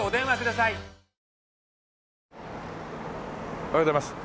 おはようございます。